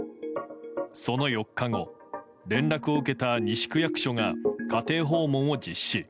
その４日後連絡を受けた西区役所が家庭訪問を実施。